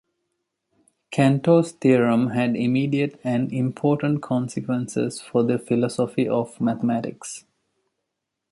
Cantor's theorem had immediate and important consequences for the philosophy of mathematics.